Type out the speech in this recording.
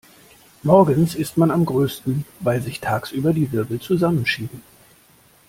Morgens ist man am größten, weil sich tagsüber die Wirbel zusammenschieben.